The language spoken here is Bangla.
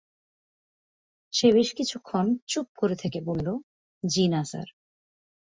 সে বেশ কিছুক্ষণ চুপ করে থেকে বলল, জ্বি-না স্যার।